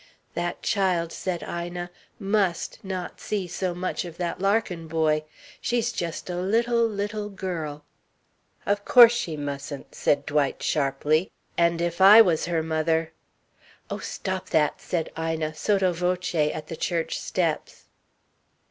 "That child," said Ina, "must not see so much of that Larkin boy. She's just a little, little girl." "Of course she mustn't," said Dwight sharply, "and if I was her mother " "Oh stop that!" said Ina, sotto voce, at the church steps.